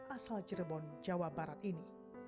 asal cirebon jawa barat ini